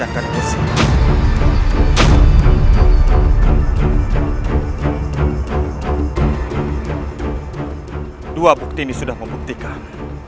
aku tidak akan pernah nemu quran